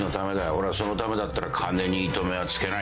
俺はそのためだったら金に糸目は付けない。